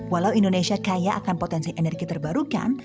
walau indonesia kaya akan potensi energi terbarukan